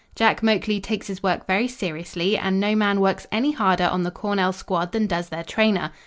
Jack Moakley takes his work very seriously and no man works any harder on the Cornell squad than does their trainer.